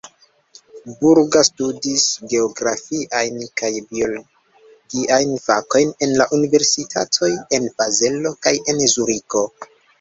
Burga studis geografiajn kaj biologiajn fakojn en la universitatoj en Bazelo kaj en Zuriko.